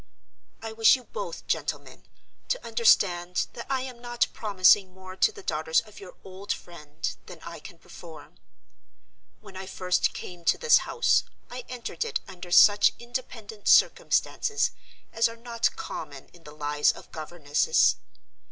I wish you both, gentlemen, to understand that I am not promising more to the daughters of your old friend than I can perform. When I first came to this house, I entered it under such independent circumstances as are not common in the lives of governesses.